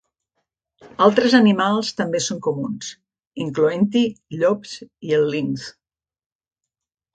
Altres animals també són comuns, incloent-hi llops i el linx.